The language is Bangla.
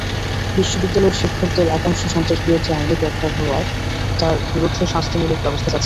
বিশ্ববিদ্যালয়ের শিক্ষকদের একাংশ সন্ত্রাসবিরোধী আইনে গ্রেপ্তার হওয়ায় তাঁর বিরুদ্ধে শাস্তিমূলক ব্যবস্থা চাচ্ছেন।